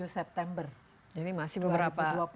september dua ribu dua puluh jadi masih beberapa